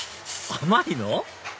甘いの？